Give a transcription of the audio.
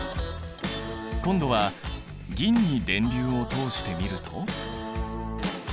今度は銀に電流を通してみると。